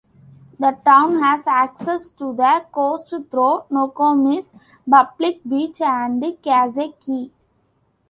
The town has access to the coast through Nokomis Public Beach and Casey Key.